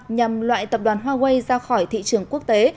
nhằm loại tập đoàn huawei ra khỏi thị trường quốc tế